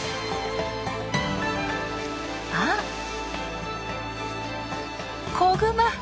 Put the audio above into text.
あ！子グマ！